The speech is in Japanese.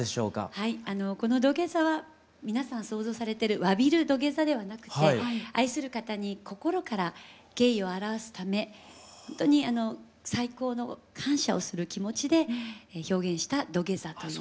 はいこの土下座は皆さん想像されてるわびる土下座ではなくて愛する方に心から敬意を表すためほんとに最高の感謝をする気持ちで表現した土下座という。